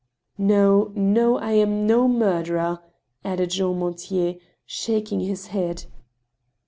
No — ^no ! I am no murderer," added Jean Mortier, shaking his head.